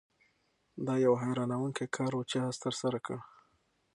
دا یو حیرانوونکی کار و چې آس ترسره کړ.